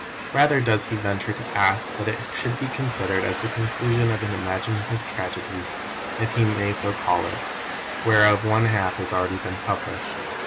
Rather does he venture to ask that it should be considered as the conclusion of an imaginative tragedy (if he may so call it) whereof one half has been already published.